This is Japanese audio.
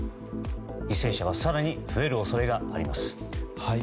犠牲者は更に増える恐れがあります。